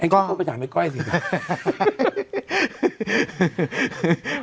ก้อยก็ไปหาไอ้ก้อยสินะ